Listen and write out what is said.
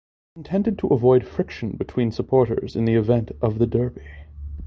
It was intended to avoid friction between supporters in the event of the derby.